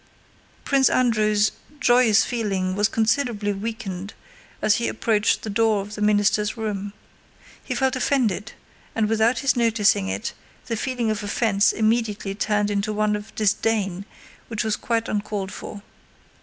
Prince Andrew's joyous feeling was considerably weakened as he approached the door of the minister's room. He felt offended, and without his noticing it the feeling of offense immediately turned into one of disdain which was quite uncalled for.